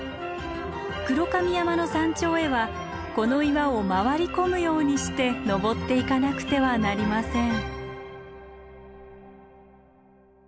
黒髪山の山頂へはこの岩を回り込むようにして登っていかなくてはなりません。